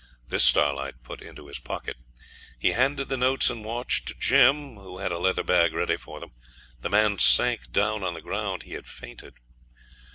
This Starlight put into his pocket. He handed the notes and watch to Jim, who had a leather bag ready for them. The man sank down on the ground; he had fainted.